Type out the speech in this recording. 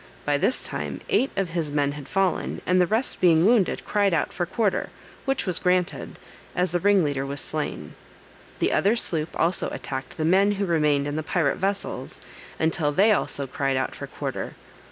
By this time eight of his men had fallen, and the rest being wounded, cried out for quarter, which was granted, as the ringleader was slain. The other sloop also attacked the men who remained in the pirate vessels, until they also cried out for quarter.